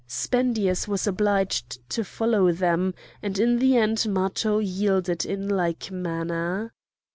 Spendius was obliged to follow them, and in the end Matho yielded in like manner.